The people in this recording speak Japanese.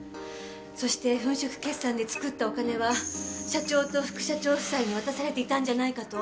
そして粉飾決算で作ったお金は社長と副社長夫妻に渡されていたんじゃないかと。